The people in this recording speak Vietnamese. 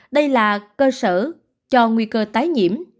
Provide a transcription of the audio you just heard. đây là cơ sở cho nguy cơ tái nhiễm